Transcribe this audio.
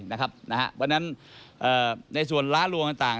วันนั้นในส่วนร้านรวมต่าง